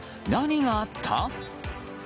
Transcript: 何があった？